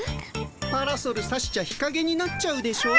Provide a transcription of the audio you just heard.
パラソルさしちゃ日かげになっちゃうでしょ？